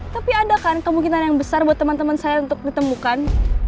tapi ada kan kemungkinan yang besar buat teman teman saya untuk ditemukan